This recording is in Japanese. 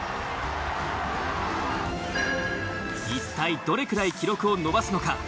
一体どれくらい記録を伸ばすのか？